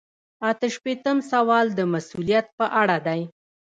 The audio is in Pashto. اته شپیتم سوال د مسؤلیت په اړه دی.